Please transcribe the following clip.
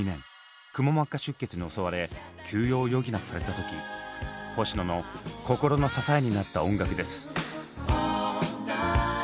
くも膜下出血に襲われ休養を余儀なくされた時星野の心の支えになった音楽です。